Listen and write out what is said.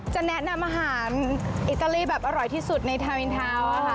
จะแนะนำอาหารอิตาเลี่ยงอร่อยที่สุดในเท้าค่ะ